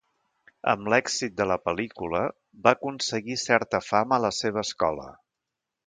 Amb l'èxit de la pel·lícula, va aconseguir certa fama a la seva escola.